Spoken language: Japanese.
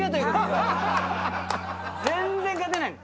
全然勝てない。